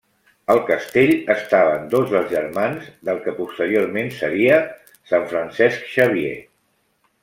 Al castell estaven dos dels germans del que posteriorment seria Sant Francesc Xavier.